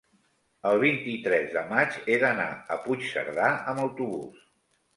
el vint-i-tres de maig he d'anar a Puigcerdà amb autobús.